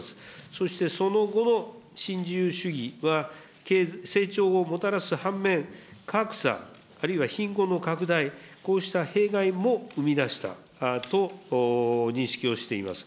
そして、その後の新自由主義は、成長をもたらす反面、格差、あるいは貧困の拡大、こうした弊害も生み出したと認識をしています。